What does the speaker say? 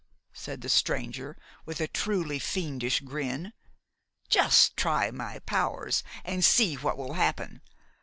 said the stranger, with a truly fiendish grin. 'Just try my powers, and see what will happen!'